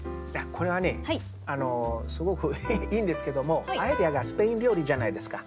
これはねすごくいいんですけども「パエリア」がスペイン料理じゃないですか。